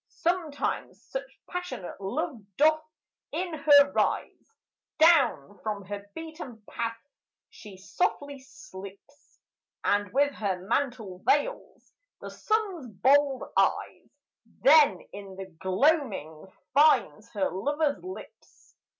Sometimes such passionate love doth in her rise, Down from her beaten path she softly slips, And with her mantle veils the Sun's bold eyes, Then in the gloaming finds her lover's lips.